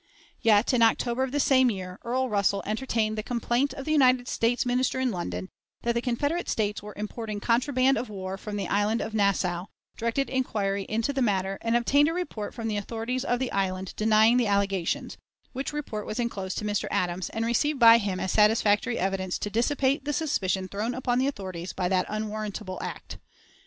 Yet, in October of the same year, Earl Russell entertained the complaint of the United States Minister in London, that the Confederate States were importing contraband of war from the Island of Nassau, directed inquiry into the matter, and obtained a report from the authorities of the island denying the allegations, which report was inclosed to Mr. Adams, and received by him as satisfactory evidence to dissipate "the suspicion thrown upon the authorities by that unwarrantable act."